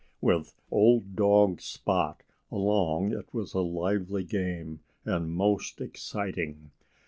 With old dog Spot along it was a lively game and most exciting.